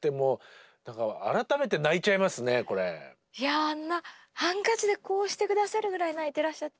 あんなハンカチでこうして下さるぐらい泣いてらっしゃった。